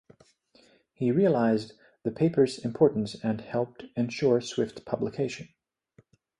He realised the paper's importance and helped ensure swift publication.